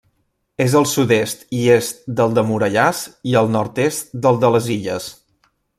És al sud-est i est del de Morellàs i al nord-est del de les Illes.